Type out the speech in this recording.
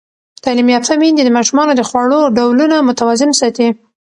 تعلیم یافته میندې د ماشومانو د خوړو ډولونه متوازن ساتي.